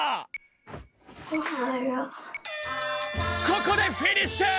ここでフィニッシュ！